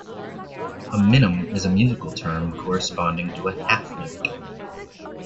A minim is a musical term corresponding to a half note.